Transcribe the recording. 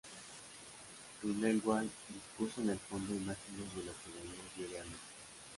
Grünewald dispuso en el fondo imágenes de lo que veía diariamente.